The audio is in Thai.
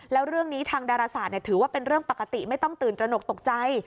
แล้วเรื่องนี้ทางดาราศาสตร์ถือว่าเป็นเรื่องปกติไม่ต้องตื่นตระหนกตกใจ